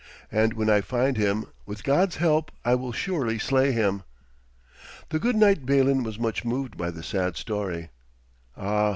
And when I find him, with God's help I will surely slay him.' The good knight Balin was much moved by the sad story. 'Ah!'